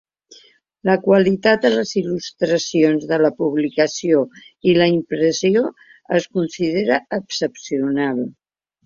La qualitat de les il·lustracions de la publicació i la impressió es considera excepcional.